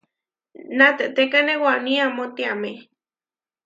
Natehtékane waní amó tiamé.